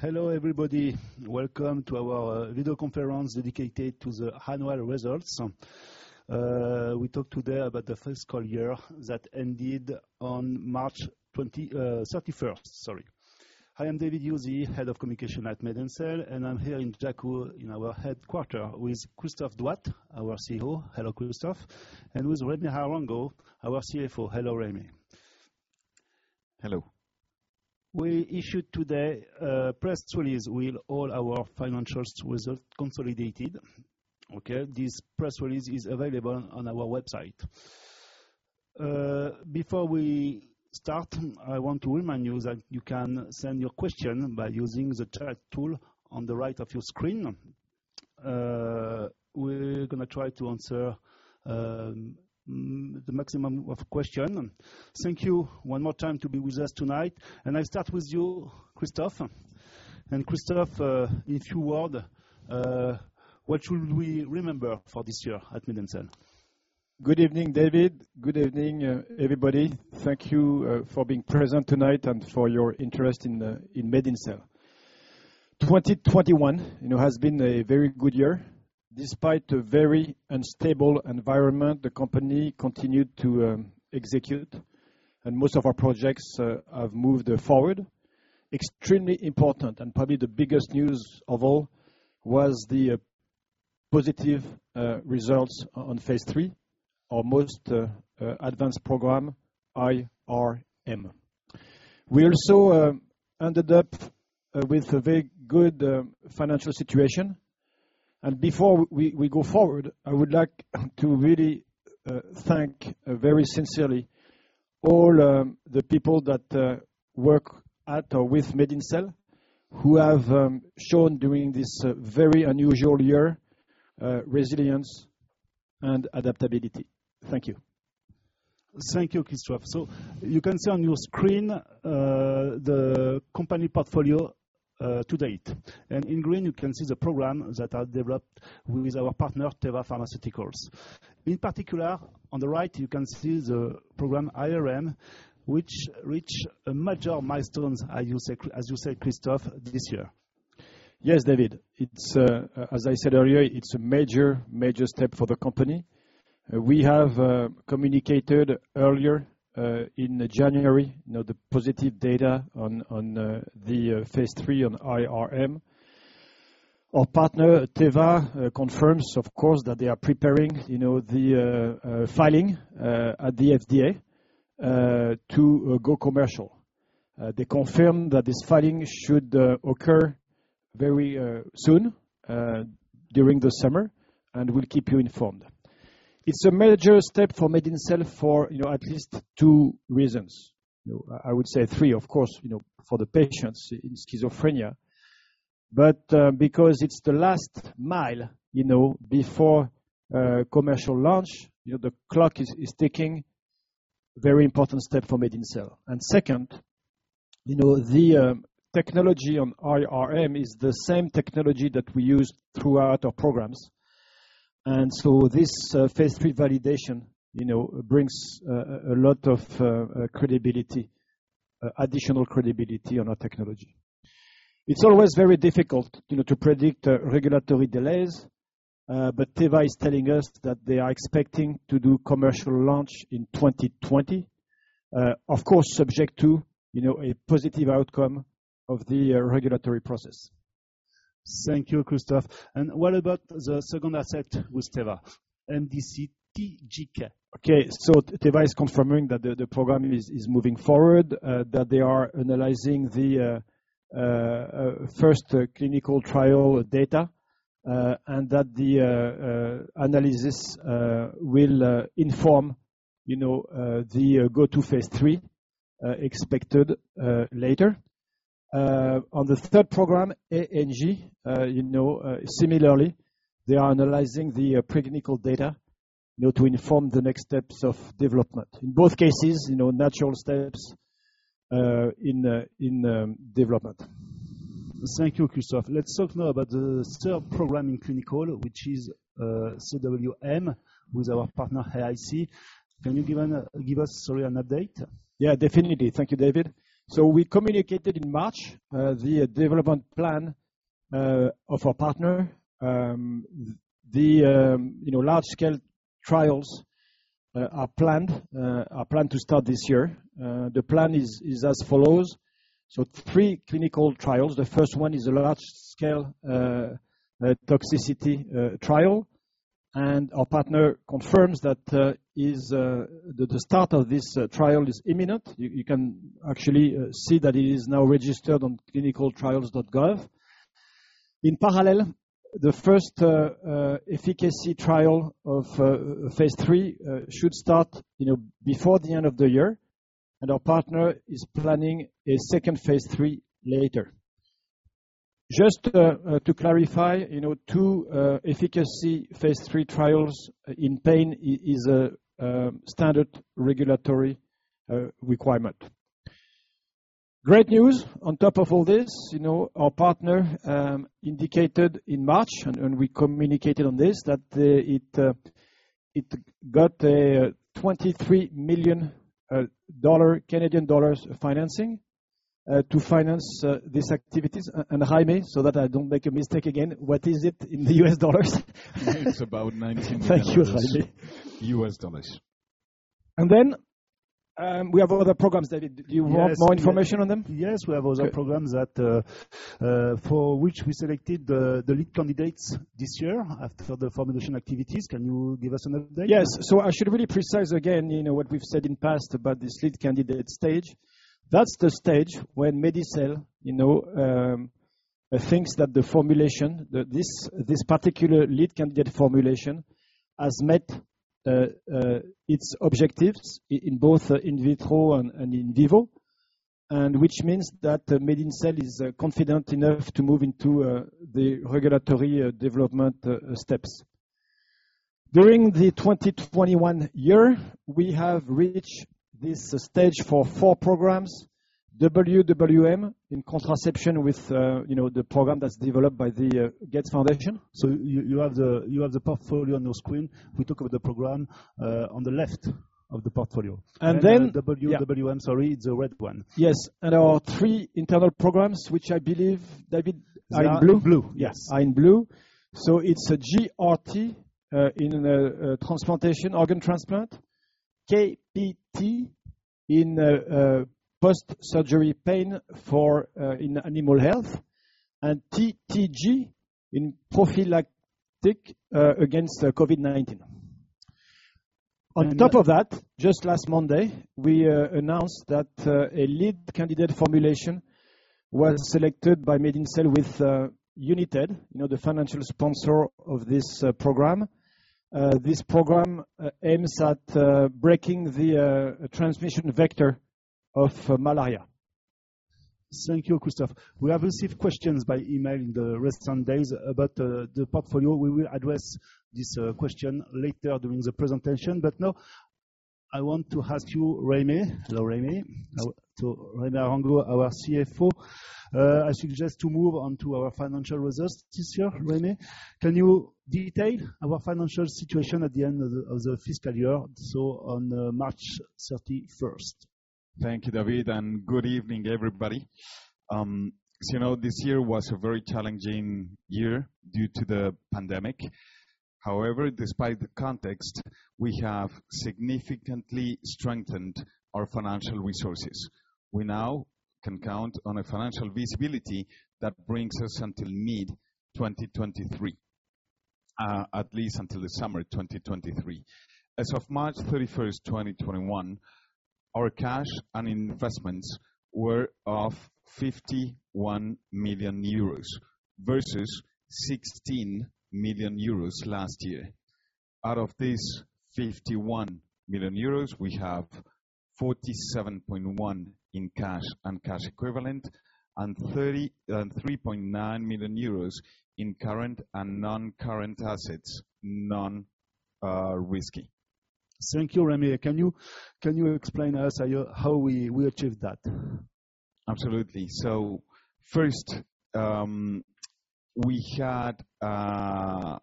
Hello everybody. Welcome to our video conference dedicated to the annual results. We talk today about the fiscal year that ended on March 31st. I am David Heuzé, head of communication at MedinCell, and I'm here in Jacou in our headquarter with Christophe Douat, our CEO. Hello, Christophe. With Jaime Arango, our CFO. Hello, Jaime. Hello. We issued today a press release with all our financials results consolidated. Okay, this press release is available on our website. Before we start, I want to remind you that you can send your question by using the chat tool on the right of your screen. We're going to try to answer the maximum of question. Thank you one more time to be with us tonight, and I start with you, Christophe. Christophe, in few word, what should we remember for this year at MedinCell? Good evening, David. Good evening, everybody. Thank you for being present tonight and for your interest in MedinCell. 2021 has been a very good year. Despite a very unstable environment, the company continued to execute, and most of our projects have moved forward. Extremely important, and probably the biggest news of all, was the positive results on phase III on most advanced program, IRM. We also ended up with a very good financial situation. Before we go forward, I would like to really thank very sincerely all the people that work at or with MedinCell who have shown during this very unusual year resilience and adaptability. Thank you. Thank you, Christophe. You can see on your screen, the company portfolio to date. In green you can see the program that are developed with our partner, Teva Pharmaceuticals. In particular, on the right, you can see the program mdc-IRM, which reached a major milestone, as you said, Christophe, this year. Yes, David. As I said earlier, it's a major step for the company. We have communicated earlier in January, the positive data on the phase III on mdc-IRM. Our partner, Teva, confirms, of course, that they are preparing the filing at the FDA to go commercial. They confirm that this filing should occur very soon, during the summer, and we'll keep you informed. It's a major step for MedinCell for at least two reasons. I would say three, of course, for the patients in schizophrenia. Because it's the last mile before commercial launch, the clock is ticking. Very important step for MedinCell. Second, the technology on mdc-IRM is the same technology that we use throughout our programs. This phase III validation brings a lot of additional credibility on our technology. It's always very difficult to predict regulatory delays. Teva is telling us that they are expecting to do commercial launch in 2022. Of course, subject to a positive outcome of the regulatory process. Thank you, Christophe. What about the second asset with Teva, mdc-TJK? Okay, Teva is confirming that the program is moving forward, that they are analyzing the first clinical trial data, and that the analysis will inform the go to phase III expected later. On the third program, mdc-ANG, similarly, they are analyzing the preclinical data, to inform the next steps of development. In both cases, natural steps in development. Thank you, Christophe. Let's talk now about the third program in clinical, which is mdc-CWM with our partner AIC. Can you give us an update? Yeah, definitely. Thank you, David. We communicated in March, the development plan of our partner. The large-scale trials are planned to start this year. The plan is as follows. Three clinical trials. The first one is a large-scale toxicity trial, and our partner confirms that the start of this trial is imminent. You can actually see that it is now registered on clinicaltrials.gov. In parallel, the first efficacy trial of phase III should start before the end of the year, and our partner is planning a second phase III later. Just to clarify, two efficacy phase III trials in pain is a standard regulatory requirement. Great news on top of all this. Our partner indicated in March, and we communicated on this, that it got a 23 million dollar financing to finance these activities. Jaime, so that I don't make a mistake again, what is it in the US dollars? It's about 19 million. Thank you, Jaime. U.S. dollars. Then we have other programs. David, do you want more information on them? Yes, we have other programs for which we selected the lead candidates this year for the formulation activities. Can you give us an update? Yes. I should really precise again what we've said in the past about this lead candidate stage. That's the stage when MedinCell thinks that this particular lead candidate formulation has met its objectives in both in vitro and in vivo, and which means that MedinCell is confident enough to move into the regulatory development steps. During the 2021 year, we have reached this stage for four programs, mdc-WWM, in contraception with the program that's developed by the Bill & Melinda Gates Foundation. You have the portfolio on the screen. We talk of the program on the left of the portfolio. mdc-WWM, sorry, it's the red one. Yes. Our three internal programs, which I believe, David? Are in blue. Yes. Are in blue. It's a mdc-GRT in organ transplant, mdc-KPT in post-surgery pain in animal health, and mdc-TTG in prophylactic against COVID-19. On top of that, just last Monday, we announced that a lead candidate formulation was selected by MedinCell with Unitaid, the financial sponsor of this program. This program aims at breaking the transmission vector of malaria. Thank you, Christophe. We have received questions by email in the recent days about the portfolio. We will address this question later during the presentation. Now I want to ask you, Jaime. Hello, Jaime. Jaime Arango, our CFO. I suggest to move on to our financial results this year. Jaime, can you detail our financial situation at the end of the fiscal year, on March 31st? Thank you, David. Good evening, everybody. As you know, this year was a very challenging year due to the pandemic. However, despite the context, we have significantly strengthened our financial resources. We now can count on financial visibility that brings us until mid-2023, at least until the summer 2023. As of March 31st, 2021, our cash and investments were of 51 million euros versus 16 million euros last year. Out of this 51 million euros, we have 47.1 in cash and cash equivalent and 3.9 million euros in current and non-current assets, non-risky. Thank you, Jaime. Can you explain to us how we achieved that? First, we had a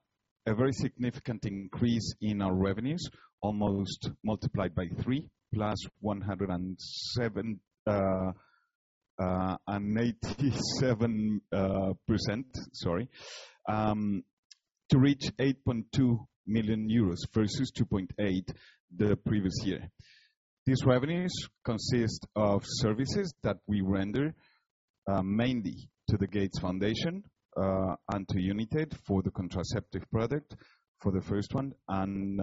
very significant increase in our revenues, almost multiplied by three, plus 187%, to reach 8.2 million euros versus 2.8 million the previous year. These revenues consist of services that we render mainly to the Bill & Melinda Gates Foundation and to Unitaid for the contraception product for the first one and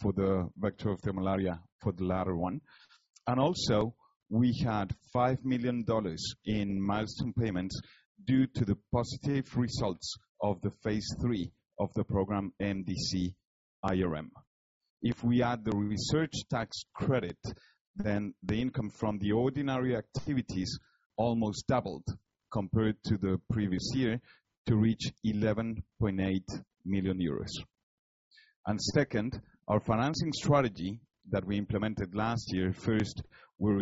for the vector of malaria for the latter one. Also, we had $5 million in milestone payments due to the positive results of phase III of the program mdc-IRM. If we add the research tax credit, the income from the ordinary activities almost doubled compared to the previous year to reach 11.8 million euros. Second, our financing strategy that we implemented last year. First, we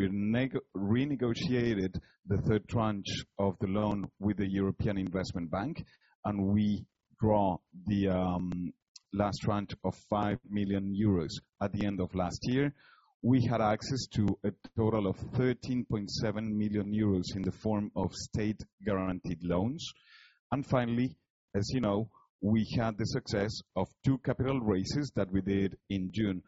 renegotiated the third tranche of the loan with the European Investment Bank, and we draw the last tranche of 5 million euros at the end of last year. We had access to a total of 13.7 million euros in the form of state-guaranteed loans. Finally, as you know, we had the success of two capital raises that we did in June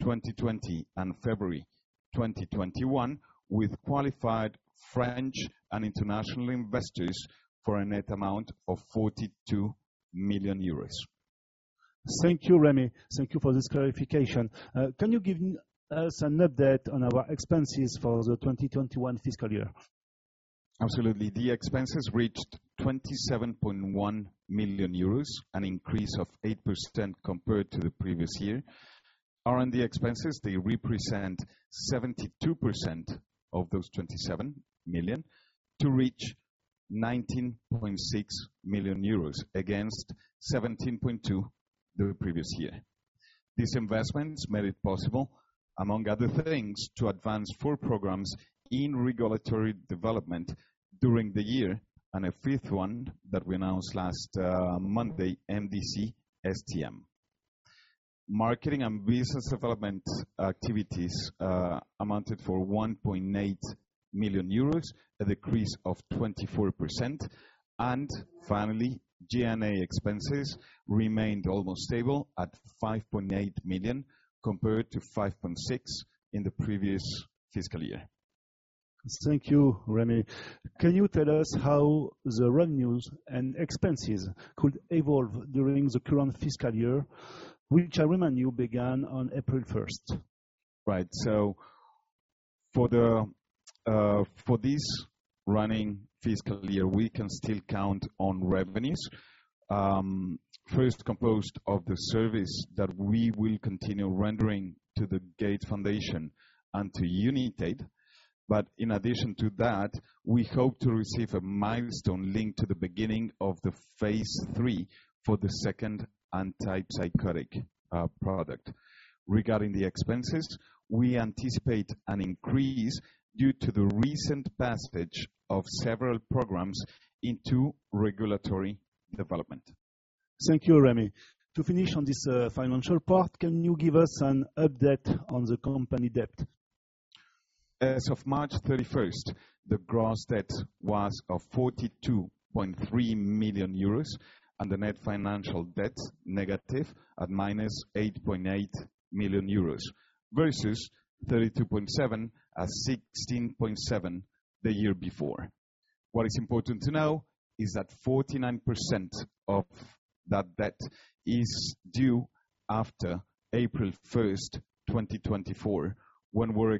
2020 and February 2021 with qualified French and international investors for a net amount of 42 million euros. Thank you, Jaime. Thank you for this clarification. Can you give us an update on our expenses for the 2021 fiscal year? Absolutely. The expenses reached 27.1 million euros, an increase of 8% compared to the previous year. R&D expenses represent 72% of those 27 million to reach 19.6 million euros against 17.2 the previous year. These investments made it possible, among other things, to advance four programs in regulatory development during the year, and a fifth one that we announced last Monday, mdc-STM. Marketing and business development activities amounted for 1.8 million euros, a decrease of 24%. Finally, G&A expenses remained almost stable at 5.8 million compared to 5.6 in the previous fiscal year. Thank you, Jaime Arango. Can you tell us how the revenues and expenses could evolve during the current fiscal year, which, I remind you, began on April 1st? Right. For this running fiscal year, we can still count on revenues. First composed of the service that we will continue rendering to the Bill & Melinda Gates Foundation and to Unitaid. In addition to that, we hope to receive a milestone linked to the beginning of the phase III for the second antipsychotic product. Regarding the expenses, we anticipate an increase due to the recent passage of several programs into regulatory development. Thank you, Jaime. To finish on this financial part, can you give us an update on the company debt? As of March 31st, the gross debt was 42.3 million euros and the net financial debt negative at -8.8 million euros versus 32.7 at 16.7 the year before. What is important to know is that 49% of that debt is due after April 1st, 2024, when we're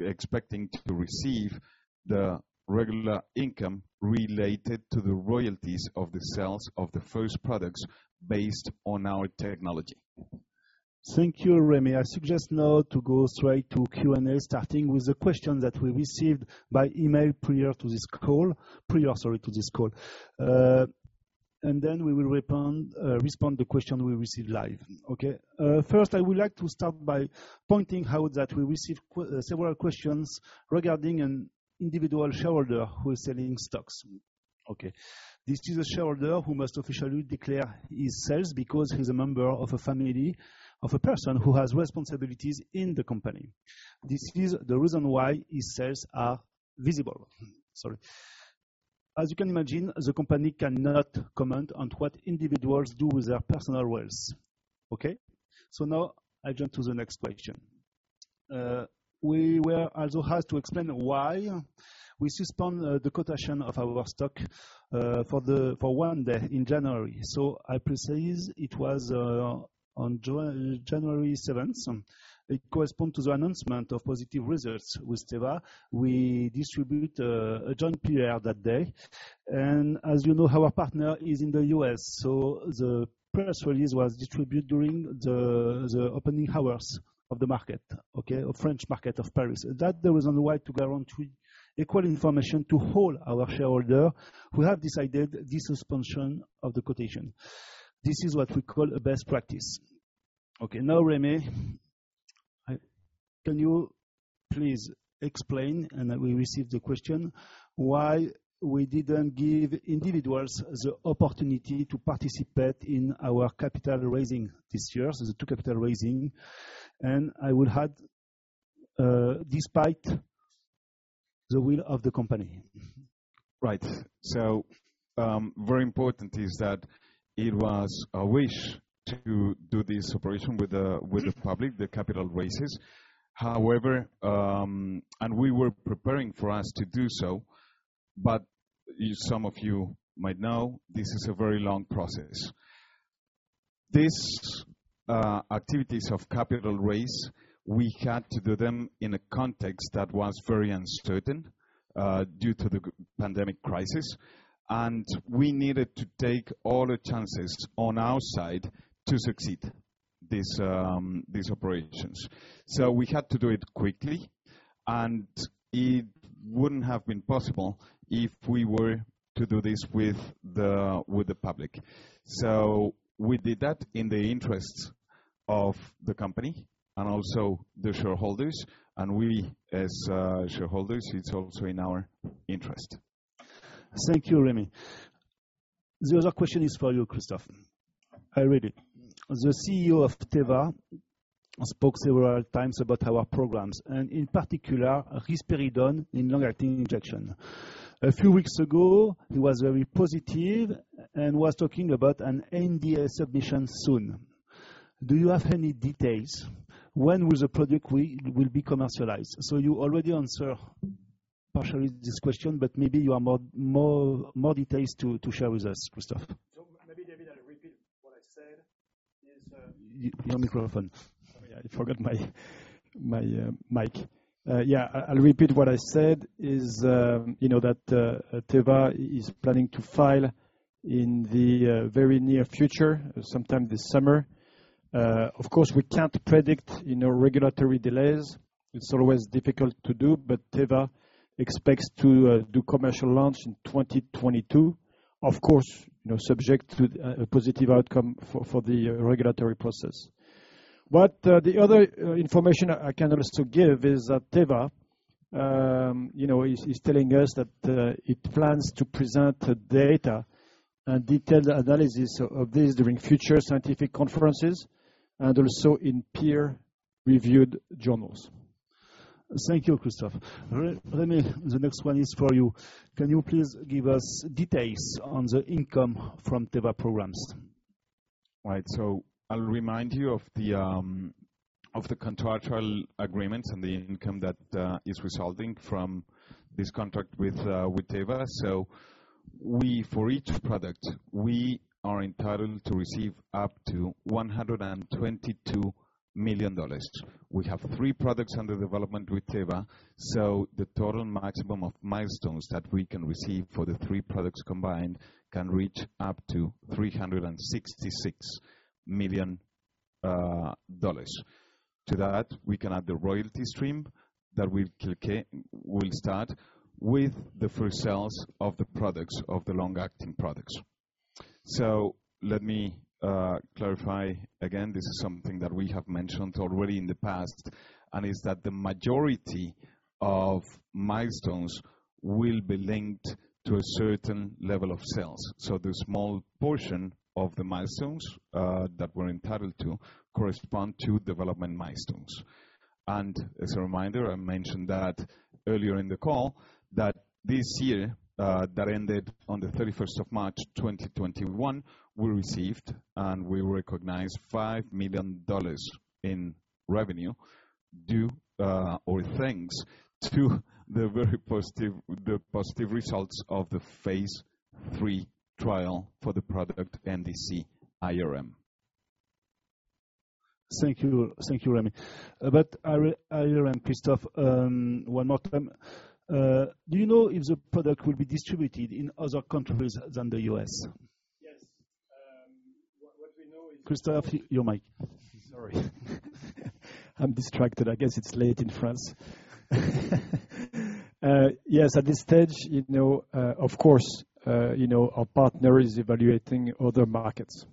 expecting to receive the regular income related to the royalties of the sales of the first products based on our technology. Thank you, Jaime Arango. I suggest now to go straight to Q&A, starting with the question that we received by email prior to this call. We will respond to the question we receive live. First, I would like to start by pointing out that we received several questions regarding an individual shareholder who is selling stocks. This is a shareholder who must officially declare his sales because he is a member of a family of a person who has responsibilities in the company. This is the reason why his sales are visible. As you can imagine, the company cannot comment on what individuals do with their personal wealth. Now I jump to the next question. We were also asked to explain why we suspend the quotation of our stock for one day in January. I precise it was on January 7th. It corresponds to the announcement of positive results with Teva. We distribute a joint PR that day. As you know, our partner is in the U.S., the press release was distributed during the opening hours of the market. Okay. A French market of Paris. That the reason why to guarantee equal information to all our shareholders who have decided the suspension of the quotation. This is what we call a best practice. Okay. Jaime, can you please explain, and we received the question, why we didn't give individuals the opportunity to participate in our capital raising this year, the two capital raising, and I will add, despite the will of the company. Right. Very important is that it was our wish to do this operation with the public, the capital raises. We were preparing for us to do so, some of you might know this is a very long process. These activities of capital raise, we had to do them in a context that was very uncertain, due to the pandemic crisis, and we needed to take all the chances on our side to succeed these operations. We had to do it quickly, and it wouldn't have been possible if we were to do this with the public. We did that in the interest of the company and also the shareholders. We as shareholders, it's also in our interest. Thank you, Jaime. The other question is for you, Christophe. I read it. The CEO of Teva spoke several times about our programs and in particular risperidone in long-acting injection. A few weeks ago, he was very positive and was talking about an NDA submission soon. Do you have any details when will the product will be commercialized? You already answered partially this question, but maybe you have more details to share with us, Christophe. Maybe I'll repeat what I said. Your microphone. Sorry, I forgot my mic. Yeah, I'll repeat what I said is that Teva is planning to file in the very near future, sometime this summer. Of course, we can't predict regulatory delays. It's always difficult to do. Teva expects to do commercial launch in 2022, of course, subject to a positive outcome for the regulatory process. The other information I can also give is that Teva Is telling us that it plans to present data and detailed analysis of this during future scientific conferences and also in peer-reviewed journals. Thank you, Christophe. Jaime, the next one is for you. Can you please give us details on the income from Teva programs? Right. I'll remind you of the contractual agreements and the income that is resulting from this contract with Teva. For each product, we are entitled to receive up to $122 million. We have three products under development with Teva. The total maximum of milestones that we can receive for the three products combined can reach up to $366 million. To that, we can add the royalty stream that will start with the first sales of the long-acting products. Let me clarify again, this is something that we have mentioned already in the past, and is that the majority of milestones will be linked to a certain level of sales. The small portion of the milestones that we're entitled to correspond to development milestones. As a reminder, I mentioned that earlier in the call, that this year, that ended on the 31st of March 2021, we received and we recognized $5 million in revenue due or thanks to the positive results of the phase III trial for the product mdc-IRM. Thank you, Jaime. About mdc-IRM, Christophe, one more time. Do you know if the product will be distributed in other countries than the U.S.? Yes. What we know is. Christophe, your mic. Sorry. I'm distracted. I guess it's late in France. Yes, at this stage, of course our partner is evaluating other markets.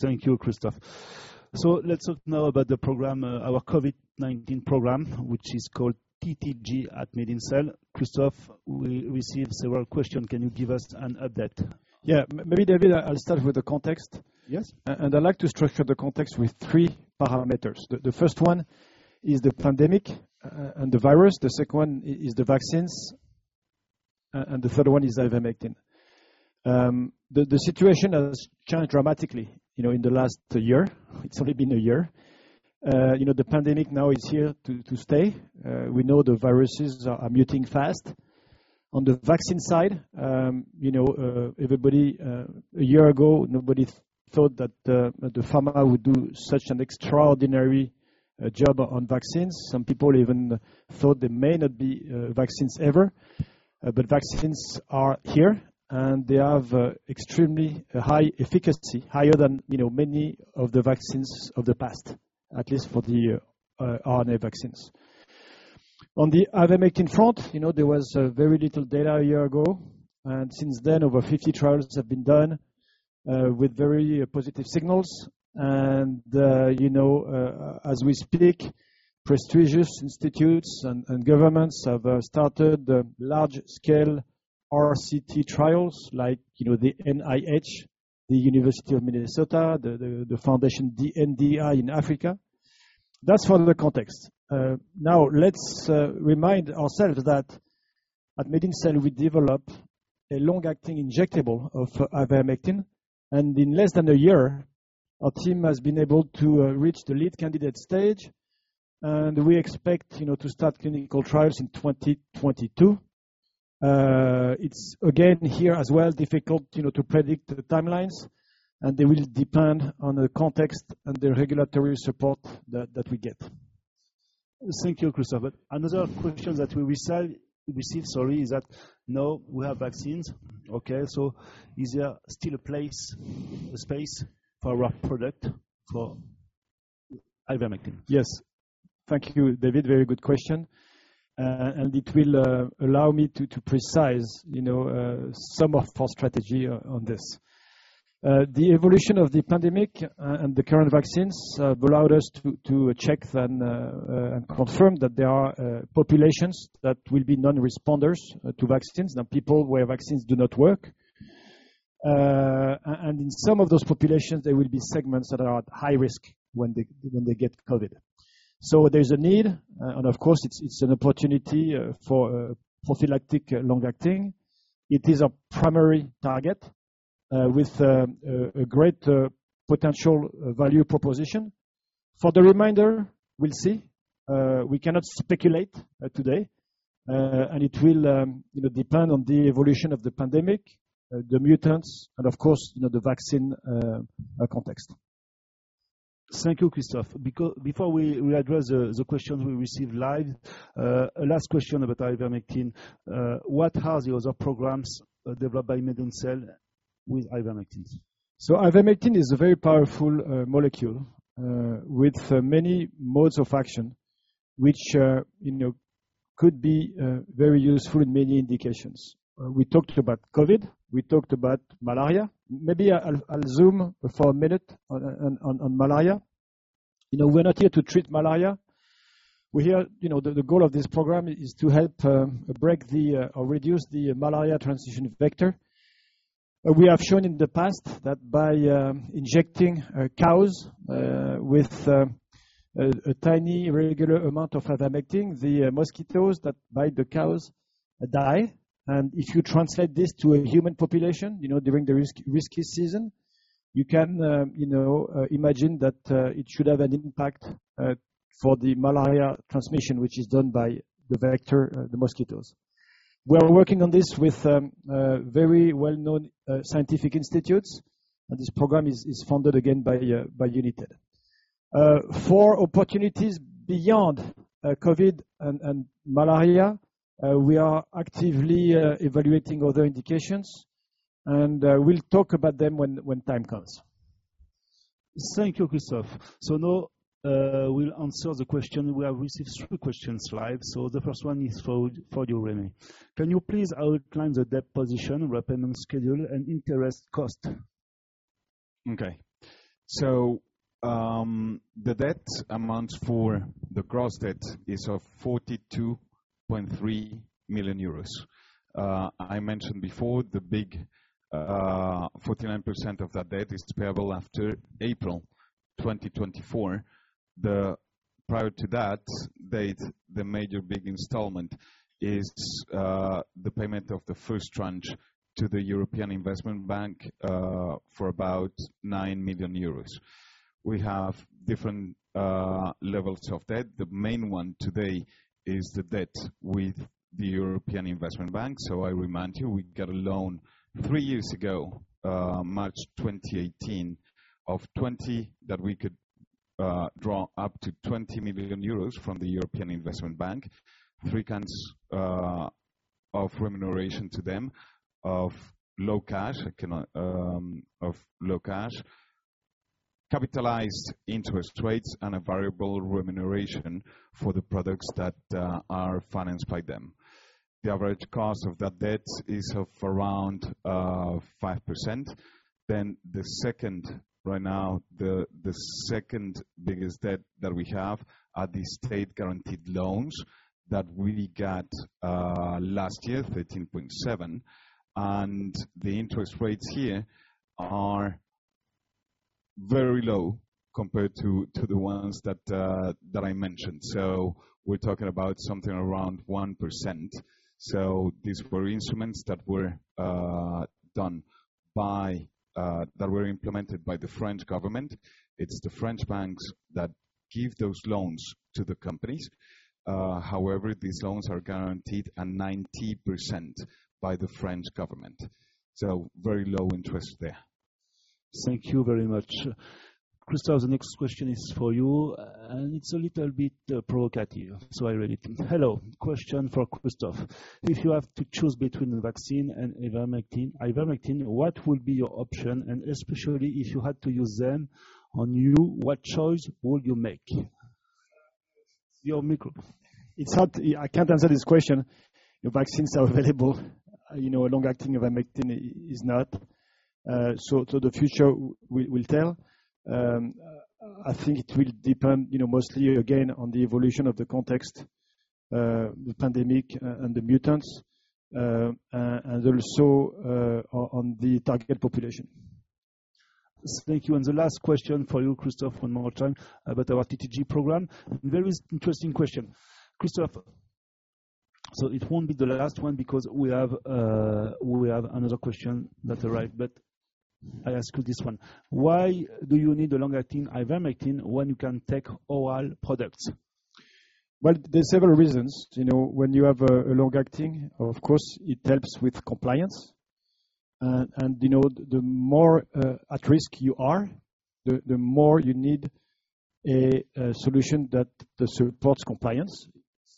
Thank you, Christophe. Let's talk now about our COVID-19 program, which is called mdc-TTG at MedinCell. Christophe, we received several questions. Can you give us an update? Yeah. Maybe, David, I'll start with the context. Yes. I'd like to structure the context with three parameters. The first one is the pandemic and the virus, the second one is the vaccines, and the third one is ivermectin. The situation has changed dramatically in the last year. It's only been a year. The pandemic now is here to stay. We know the viruses are mutating fast. On the vaccine side, a year ago, nobody thought that the pharma would do such an extraordinary job on vaccines. Some people even thought there may not be vaccines ever. Vaccines are here, and they have extremely high efficacy, higher than many of the vaccines of the past, at least for the RNA vaccines. On the ivermectin front, there was very little data a year ago, and since then over 50 trials have been done with very positive signals. As we speak, prestigious institutes and governments have started large-scale RCTs trials like the NIH, the University of Minnesota, the foundation DNDi in Africa. That's for the context. Let's remind ourselves that at MedinCell we developed a long-acting injectable of ivermectin. In less than a year, our team has been able to reach the lead candidate stage, and we expect to start clinical trials in 2022. It's again here as well difficult to predict the timelines, and they will depend on the context and the regulatory support that we get. Thank you, Christophe. Another question that we received is that now we have vaccines, okay, so is there still a space for our product, for ivermectin? Yes. Thank you, David. Very good question. It will allow me to precise some of our strategy on this. The evolution of the pandemic and the current vaccines allowed us to check and confirm that there are populations that will be non-responders to vaccines, people where vaccines do not work. In some of those populations, there will be segments that are at high risk when they get COVID-19. There's a need, and of course, it's an opportunity for prophylactic long-acting. It is a primary target with a great potential value proposition. For the remainder, we'll see. We cannot speculate today. It will depend on the evolution of the pandemic, the mutants, and of course, the vaccine context. Thank you, Christophe. Before we address the questions we received live, last question about ivermectin. What are the other programs developed by MedinCell with ivermectin? Ivermectin is a very powerful molecule with many modes of action. Could be very useful in many indications. We talked about COVID, we talked about malaria. Maybe I'll zoom for a minute on malaria. We're not here to treat malaria. The goal of this program is to help break or reduce the malaria transmission vector. We have shown in the past that by injecting cows with a tiny regular amount of ivermectin, the mosquitoes that bite the cows die. If you translate this to a human population, during the risky season, you can imagine that it should have an impact for the malaria transmission, which is done by the vector, the mosquitoes. We are working on this with very well-known scientific institutes, this program is funded again by Unitaid. For opportunities beyond COVID and malaria, we are actively evaluating other indications, we'll talk about them when time comes. Thank you, Christophe. Now we'll answer the question. We have received three questions. The first one is for you, Jaime. Can you please outline the debt position, repayment schedule, and interest cost? Okay. The debt amount for the gross debt is 42.3 million euros. I mentioned before the big 49% of that debt is payable after April 2024. Prior to that date, the major big installment is the payment of the first tranche to the European Investment Bank for about 9 million euros. We have different levels of debt. The main one today is the debt with the European Investment Bank. I remind you, we got a loan three years ago, March 2018, that we could draw up to 20 million euros from the European Investment Bank. Three kinds of remuneration to them, of low cash, capitalized interest rates, and a variable remuneration for the products that are financed by them. The average cost of that debt is around 5%. The second, right now, the second-biggest debt that we have are the state-guaranteed loans that we got last year, 13.7. The interest rates here are very low compared to the ones that I mentioned. We're talking about something around 1%. These were instruments that were implemented by the French government. It's the French banks that give those loans to the companies. However, these loans are guaranteed at 90% by the French government. Very low interest there. Thank you very much. Christophe, the next question is for you, and it's a little bit provocative. Hello, question for Christophe. If you have to choose between a vaccine and ivermectin, what will be your option, and especially if you had to use them on you, what choice would you make? I can't answer this question. Vaccines are available. A long-acting ivermectin is not. The future will tell. I think it will depend mostly again on the evolution of the context, the pandemic, and the mutants, and also on the target population. Thank you. The last question for you, Christophe, one more time about our mdc-TTG program. Very interesting question, Christophe. It won't be the last one because we have another question that arrived. I ask you this one. Why do you need a long-acting ivermectin when you can take oral products? Well, there's several reasons. When you have a long-acting, of course, it helps with compliance. The more at risk you are, the more you need a solution that supports compliance.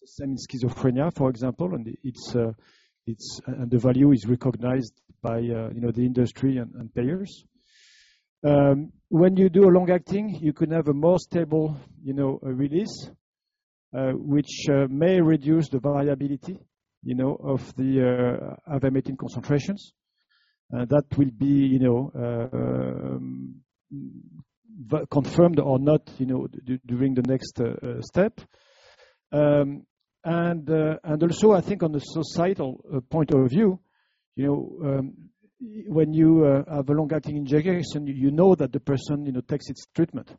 Same as schizophrenia, for example. The value is recognized by the industry and payers. When you do a long-acting, you can have a more stable release, which may reduce the variability of the ivermectin concentrations. That will be confirmed or not during the next step. Also, I think on the societal point of view, when you have a long-acting injection, you know that the person takes his treatment.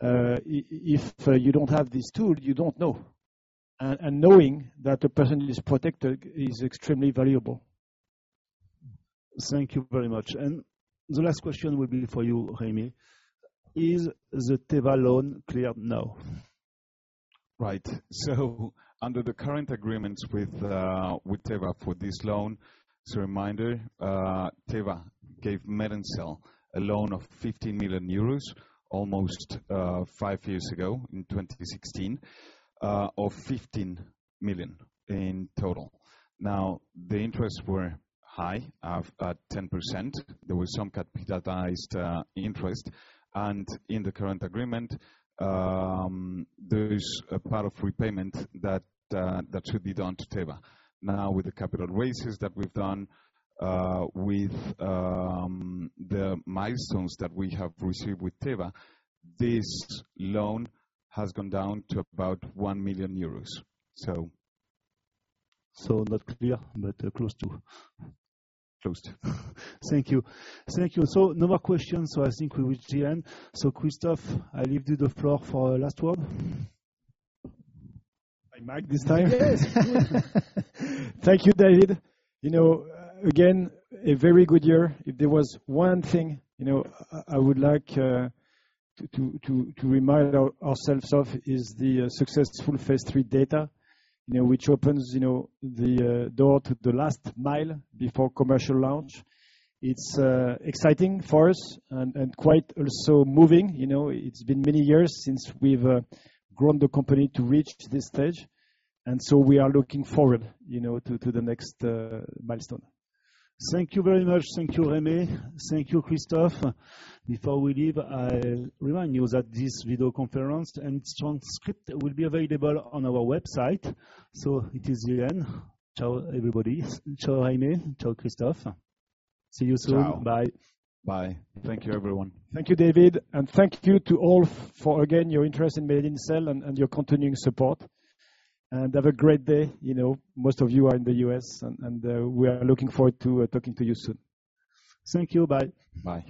If you don't have this tool, you don't know. Knowing that the person is protected is extremely valuable. Thank you very much. The last question will be for you, Jaime. Is the Teva loan cleared now? Right. Under the current agreements with Teva for this loan, as a reminder Teva gave MedinCell a loan of 15 million euros almost five years ago in 2016, of 15 million in total. The interests were high at 10%. There was some capitalized interest. In the current agreement, there is a part of repayment that should be done to Teva. With the capital raises that we've done with the milestones that we have received with Teva, this loan has gone down to about 1 million euros. Not clear, but close to. Close. Thank you. No more questions, so I think we've reached the end. Christophe, I leave you the floor for the last word. My mic this time? Yes. Thank you, David. Again, a very good year. If there was one thing I would like to remind ourselves of is the successful phase III data which opens the door to the last mile before commercial launch. It's exciting for us and quite also moving. It's been many years since we've grown the company to reach this stage, and so we are looking forward to the next milestone. Thank you very much. Thank you, Jaime. Thank you, Christophe. Before we leave, I will remind you that this video conference and transcript will be available on our website. It is the end. Ciao, everybody. Ciao, Jaime. Ciao, Christophe. See you soon. Bye. Ciao. Bye. Thank you, everyone. Thank you, David. Thank you to all for, again, your interest in MedinCell and your continuing support. Have a great day. Most of you are in the U.S., and we are looking forward to talking to you soon. Thank you. Bye. Bye.